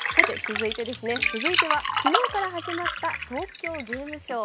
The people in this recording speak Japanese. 続いては、昨日から始まった東京ゲームショウ。